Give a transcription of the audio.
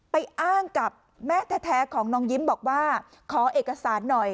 อ้างกับแม่แท้ของน้องยิ้มบอกว่าขอเอกสารหน่อย